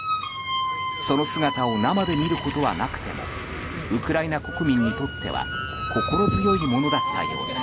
その姿を生で見ることはなくてもウクライナ国民にとっては心強いものだったようです。